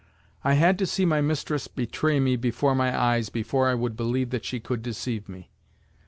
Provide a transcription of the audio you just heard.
I had to see my mistress betray me before my eyes before I would believe that she could deceive me.